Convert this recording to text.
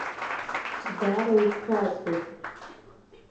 Даара угәхьаазгоит.